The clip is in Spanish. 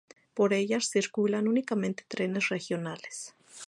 Por ella circulan únicamente trenes regionales.